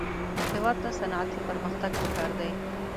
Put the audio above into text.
هېواد ته صنعتي پرمختګ پکار دی